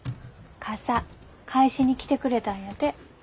傘返しに来てくれたんやて。